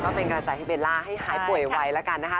ก็เป็นกำลังใจให้เบลล่าให้หายป่วยไวแล้วกันนะคะ